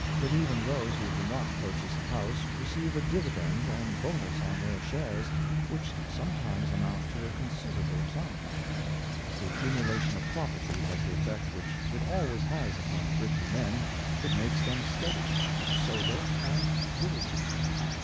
But even those who do not purchase a house receive a dividend and bonus on their shares, which sometimes amount to a consid erable sum. The accumulation of property has the effect which it always has upon thrifty men; it makes them steady, sober, and diligent.